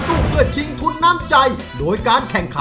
สู้เพื่อชิงทุนน้ำใจโดยการแข่งขัน